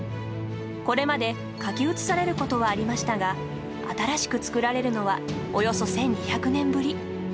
これまで、書き写されることはありましたが新しく作られるのはおよそ１２００年ぶり。